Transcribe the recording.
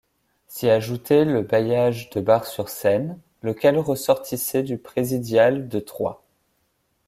S'y ajoutait le bailliage de Bar-sur-Seine, lequel ressortissait du présidial de Troyes.